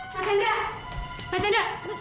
mbak sandra mbak sandra